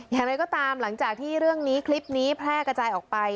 อย่างไรก็ตามหลังจากที่เรื่องนี้คลิปนี้แพร่กระจายออกไป